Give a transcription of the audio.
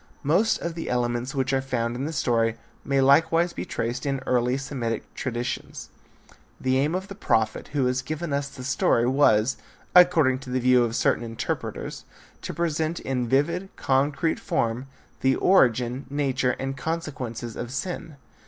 Most of the elements which are found in the story may likewise be traced in earlier Semitic traditions. The aim of the prophet who has given us the story was, according to the view of certain interpreters, to present in vivid, concrete form the origin, nature, and consequences of sin.